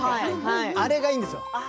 あれがいいんです。